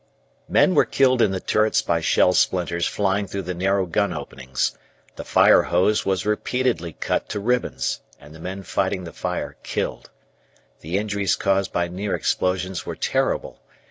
Men were killed in the turrets by shell splinters flying through the narrow gun openings. The fire hose was repeatedly cut to ribbons, and the men fighting the fire killed. The injuries caused by near explosions were terrible.